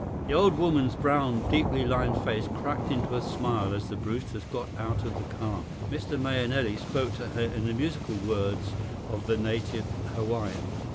The old woman's brown, deeply lined face cracked into a smile as the Brewsters got out of the car. Mr. Mahenili spoke to her in the musical words of the native Hawaiian.